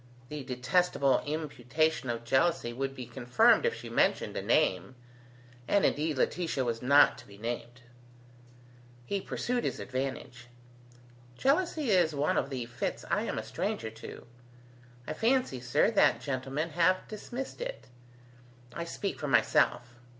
The detestable imputation of jealousy would be confirmed if she mentioned a name: and indeed Laetitia was not to be named. He pursued his advantage: "Jealousy is one of the fits I am a stranger to, I fancy, sir, that gentlemen have dismissed it. I speak for myself.